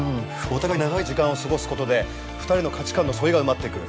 お互い長い時間を過ごすことで２人の価値観の相違が埋まっていく。